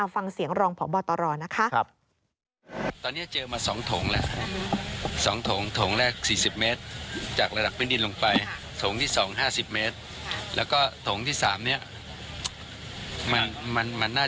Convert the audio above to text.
ฟังเสียงรองผ่องบ่อต่อรอนะคะ